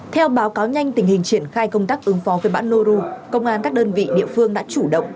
theo báo cáo nhanh tình hình triển khai công tác ứng phó với bão nu công an các đơn vị địa phương đã chủ động